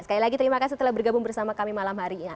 sekali lagi terima kasih telah bergabung bersama kami malam hari ini